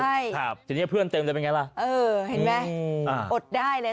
ทีนี้เพื่อนเต็มเลยเป็นยังไงล่ะเออเห็นไหมอดได้เลย